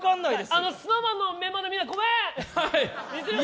ＳｎｏｗＭａｎのメンバーのみんな、ごめん！